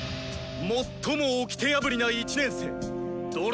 最もおきて破りな１年生？